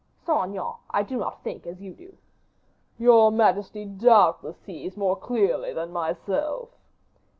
"Saint Aignan, I do not think as you do." "Your majesty doubtless sees more clearly than myself."